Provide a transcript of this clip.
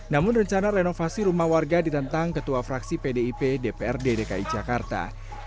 namun rencana renovasi rumah warga ditentang ketua fraksi pdip dprd dki jakarta